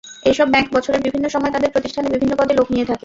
এসব ব্যাংক বছরের বিভিন্ন সময় তাঁদের প্রতিষ্ঠানে বিভিন্ন পদে লোক নিয়ে থাকে।